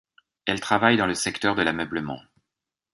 Elle travaille dans le secteur de l'ameublement.